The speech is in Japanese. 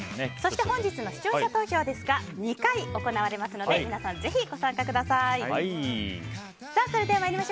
そして、本日の視聴者投票ですが２回行われますので皆さん、ぜひご参加ください。